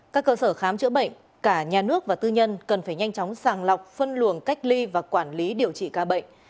các cơ sở khám chữa bệnh cả nhà nước và tư nhân cần phải nhanh chóng sàng lọc phân luồng cách ly và quản lý điều trị ca bệnh